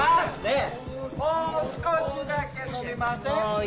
もう少しだけ飲みません？